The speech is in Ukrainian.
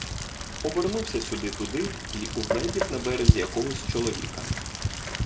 Обернувся сюди-туди й угледів на березі якогось чоловіка.